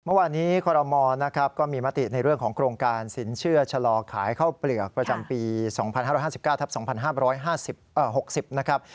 เมื่อวานนี้คลมมีมติในเรื่องของโครงการสินเชื่อชะลอขายเข้าเปลือกประจำปี๒๕๕๙ทับ๒๕๖๐